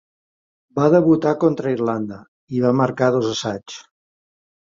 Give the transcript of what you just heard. Va debutar contra Irlanda, i va marcar dos assaigs.